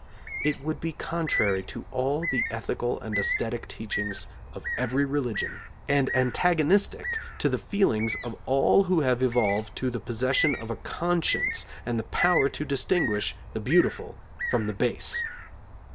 It would be contrary to all the ethical and æsthetic teachings of every religion, and antagonistic to the feelings of all who have evolved to the possession of a conscience and the power to distinguish the beautiful from the base.